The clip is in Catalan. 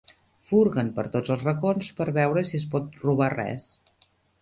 Furguen per tots els racons per veure si es pot robar res.